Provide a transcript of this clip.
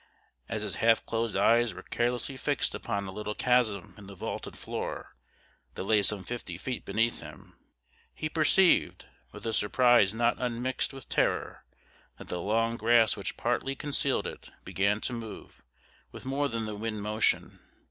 As his half closed eyes were carelessly fixed upon a little chasm in the vaulted floor, that lay some fifty feet beneath him, he perceived, with a surprise not unmixed with terror, that the long grass which partly concealed it began to move with more than the wind motion.